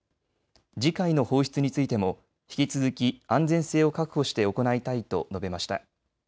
次回の放出についても引き続き安全性を確保して行いたいと述べました。